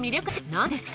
どうですか？